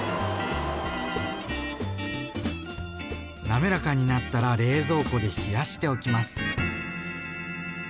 滑らかになったら冷蔵庫で冷やしておきます。